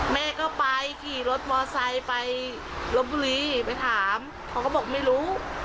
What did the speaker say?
แม่ก็ไปขี่รถมอไซค์ไปลบบุรีไปถามเขาก็บอกไม่รู้